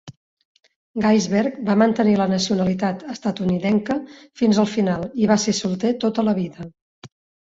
Gaisberg va mantenir la nacionalitat estatunidenca fins al final i va ser solter tota la vida.